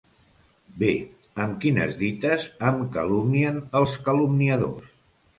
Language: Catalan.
Bé: amb quines dites em calumnien els calumniadors?